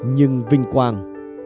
nhưng vinh quang